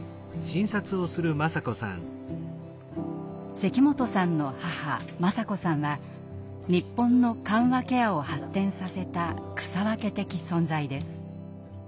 関本さんの母雅子さんは日本の緩和ケアを発展させた草分け的存在です。